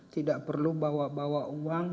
tidak perlu bawa bawa uang